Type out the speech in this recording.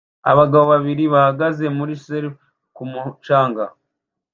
Abagabo babiri bahagaze muri serf ku mucanga